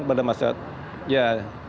kepada masyarakat ya